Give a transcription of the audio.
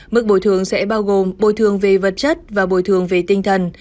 mức bồi thường sẽ bao gồm bồi thường về vật chất và bồi thường về tinh thần